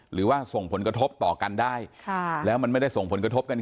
หรือว่าส่งผลกระทบต่อกันได้ค่ะแล้วมันไม่ได้ส่งผลกระทบกัน